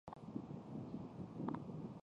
塞涅德古埃及早王朝时期第二王朝国王。